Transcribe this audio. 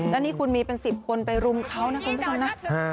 แล้วนี่คุณมีเป็น๑๐คนไปรุมเขานะคุณผู้ชมนะ